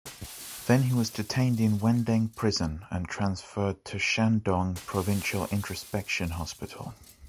Then he was detained in Wendeng prison and transferred to Shandong Provincial introspection hospital.